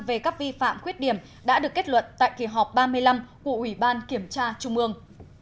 về các vi phạm khuyết điểm đã được kết luận tại kỳ họp ba mươi năm của ủy ban kiểm tra trung ương